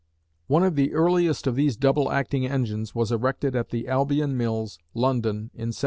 One of the earliest of these double acting engines was erected at the Albion Mills, London, in 1786.